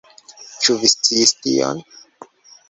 Ĉu vi sciis tion?